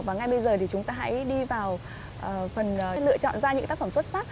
và ngay bây giờ thì chúng ta hãy đi vào phần lựa chọn ra những tác phẩm xuất sắc